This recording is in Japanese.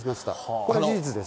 これは事実です。